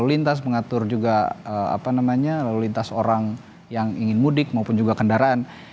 lalu lintas mengatur juga lalu lintas orang yang ingin mudik maupun juga kendaraan